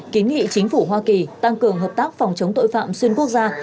kiến nghị chính phủ hoa kỳ tăng cường hợp tác phòng chống tội phạm xuyên quốc gia